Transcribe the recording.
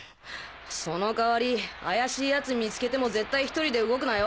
その代わり怪しい奴見つけても絶対１人で動くなよ。